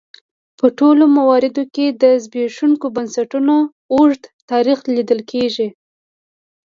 په ټولو مواردو کې د زبېښونکو بنسټونو اوږد تاریخ لیدل کېږي.